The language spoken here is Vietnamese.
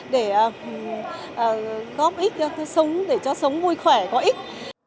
để góp ích cho sống để cho sống vui khỏe có ích